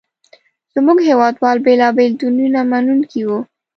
زموږ هېواد وال بېلابېل دینونه منونکي وو.